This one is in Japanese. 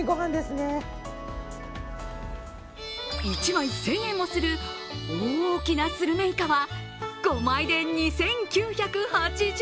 １枚１０００円もする大きなするめいかは、５枚で２９８０円。